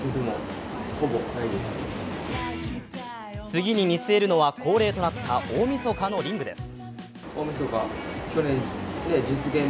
次に見据えるのは、恒例となった大みそかのリングです。